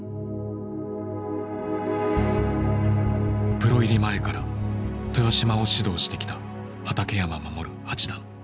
プロ入り前から豊島を指導してきた畠山鎮八段。